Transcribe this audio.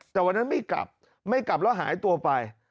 แต่วันนั้นไม่กลับไม่กลับแล้วหายตัวไป